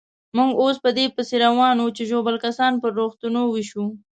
موږ اوس په دې پسې روان وو چې ژوبل کسان پر روغتونو وېشو.